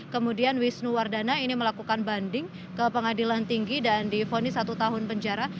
kemudian wisnu wardana ini melakukan banding ke pengadilan tinggi dan difonis satu tahun penjara